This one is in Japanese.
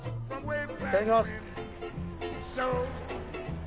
いただきます。